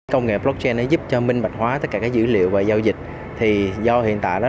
công nghệ blockchain giúp cho minh bạch hóa tất cả dữ liệu và giao dịch